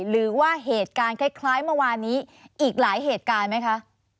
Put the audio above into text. หรือว่าเหตุการณ์คล้ายเมื่อวานนี้อีกหลายเหตุการณ์ไหมคะ